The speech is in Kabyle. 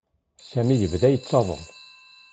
Sami yebda yettaḍen.